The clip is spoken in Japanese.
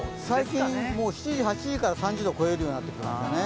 最近７時、８時から３０度超えるようになってきましたね。